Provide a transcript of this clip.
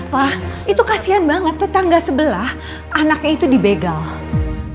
pa itu kasihan banget tetangga sebelah anaknya itu dibegal